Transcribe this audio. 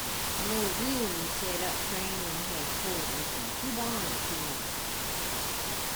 Muldoon set up training headquarters in two barns he owned.